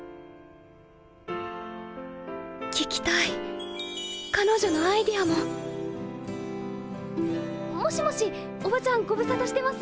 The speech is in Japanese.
聞きたい彼女のアイデアももしもしおばちゃんご無沙汰してます。